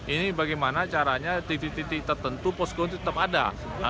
ini bagaimana caranya titik titik tertentu poskuntur tetap ada